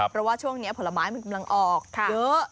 เพราะว่าช่วงนี้ผลไม้มันกำลังออกเยอะ